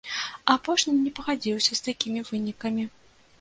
Апошні не пагадзіўся з такімі вынікамі.